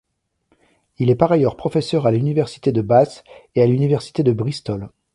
Il est par ailleurs professeur à l'Université de Bath et à l'Université de Bristol.